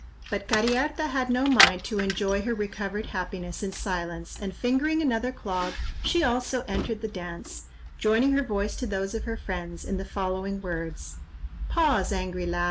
But Cariharta had no mind to enjoy her recovered happiness in silence and fingering another clog, she also entered the dance, joining her voice to those of her friends, in the following words— "Pause, angry lad!